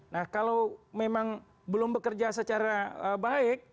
nah kalau memang belum bekerja secara baik